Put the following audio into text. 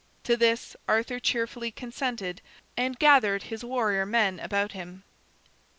To this Arthur cheerfully consented, and gathered his warrior men about him.